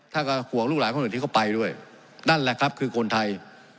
ท่านก็ห่วงลูกหลานคนอื่นที่เขาไปด้วยนั่นแหละครับคือคนไทย